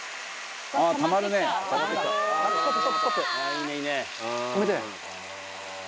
「いいねいいね」